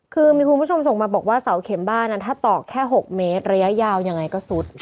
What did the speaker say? คือมีคุณผู้ชมส่งมาบอกว่าเสาเข็มบ้านนั้นถ้าตอกแค่๖เมตรระยะยาวยังไงก็ซุด